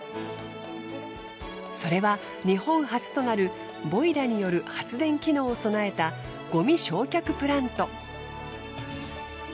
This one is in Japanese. それは日本初となるボイラによる発電機能を備えたごみ焼却プラント。